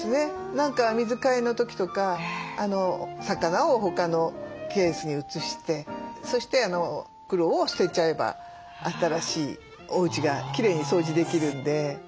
何か水替えの時とか魚を他のケースに移してそして袋を捨てちゃえば新しいおうちがきれいに掃除できるんで。